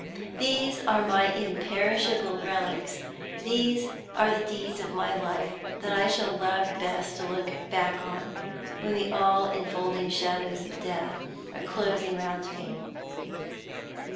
These are my imperishable relics; these are the deeds of my life that I shall love best to look back on, when the all infolding shadows of death are closing round me.